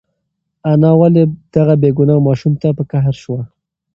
انا ولې دغه بېګناه ماشوم ته په قهر شوه؟